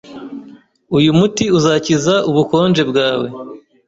Uyu muti uzakiza ubukonje bwawe.